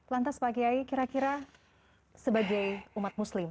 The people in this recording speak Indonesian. lantas pak kiai kira kira sebagai umat muslim